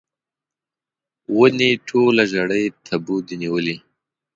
ونې ټوله ژړۍ تبو دي نیولې